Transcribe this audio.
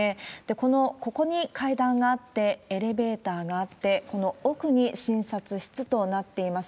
このここに階段があって、エレベーターがあって、この奥に診察室となっています。